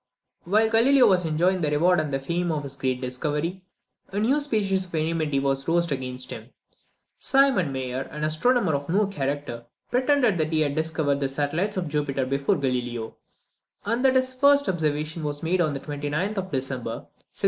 While Galileo was enjoying the reward and the fame of his great discovery, a new species of enmity was roused against him. Simon Mayer, an astronomer of no character, pretended that he had discovered the satellites of Jupiter before Galileo, and that his first observation was made on the 29th of December, 1609.